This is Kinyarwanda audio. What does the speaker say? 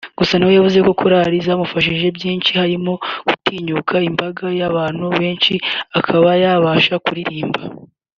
Gusa nawe yavuze ko korali zamufashije byinshi harimo gutinyuka imbaga y’abantu benshi akaba yabasha kuririmba